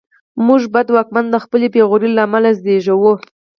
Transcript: موږ بد واکمن د خپلې بېغورۍ له امله زېږوو.